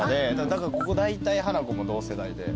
だからだいたいハナコも同世代で。